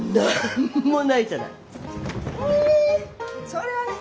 それはね